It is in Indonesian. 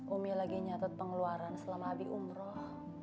umi lagi nyatet pengeluaran selama abik umroh